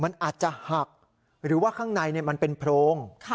มันอาจจะหักหรือว่าข้างในมันเป็นโพรง